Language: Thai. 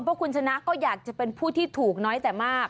เพราะคุณชนะก็อยากจะเป็นผู้ที่ถูกน้อยแต่มาก